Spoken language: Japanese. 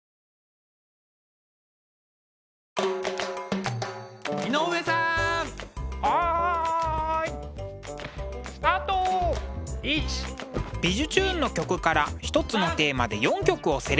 「びじゅチューン！」の曲から一つのテーマで４曲をセレクト。